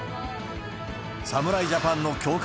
侍ジャパンの強化